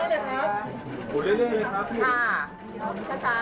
ขอบคุณพี่ด้วยนะครับ